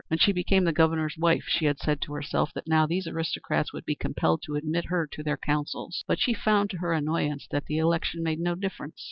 When she became the Governor's wife she had said to herself that now these aristocrats would be compelled to admit her to their counsels. But she found, to her annoyance, that the election made no difference.